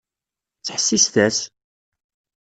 Ttḥessiset-as!